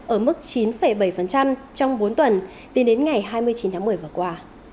ở mức chín bảy trong bốn tuần tính đến ngày hai mươi chín tháng một mươi vừa qua